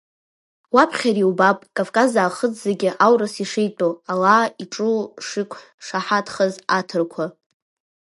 Уаԥхьар иубап Кавказ аахыҵ зегьы аурыс ишитәу ала иҿы шиқәшаҳаҭхаз аҭырқәа.